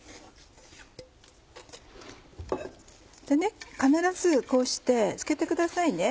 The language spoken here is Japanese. でね必ずこうしてつけてくださいね。